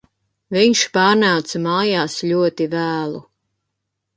Viņš pārnāca mājās ļoti vēlu